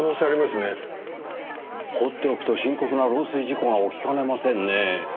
放っておくと深刻な漏水事故が起きかねませんねぇ。